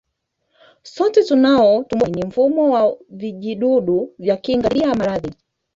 Sote tunao tumboni na mfumo wa vijidudu vya kinga dhidi ya maradhi